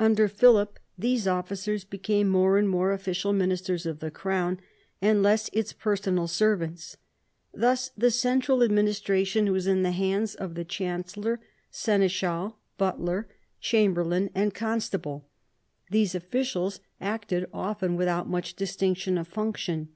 Under Philip these officers became more and more official ministers of the crown and less its personal servants. Thus the central administration was in the hands of the chancellor, seneschal, butler, chamberlain, 126 PHILIP AUGUSTUS chap. and constable. These officials acted often without much distinction of function.